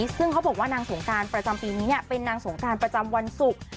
ซึ่งเขาบอกว่านางสงการประจำปีนี้เป็นนางสงการประจำวันศุกร์